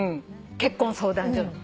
結婚相談所の。